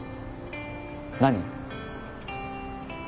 何？